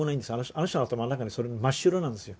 あの人の頭の中にそれ真っ白なんですよ